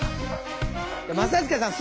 正親さん